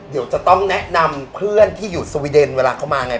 เดี๋ยวจะต้องแนะนำเพื่อนที่อยู่สวีเดนเวลาเขามาไง